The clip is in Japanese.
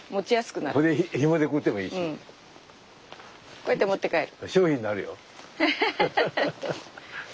こうやって持って帰る。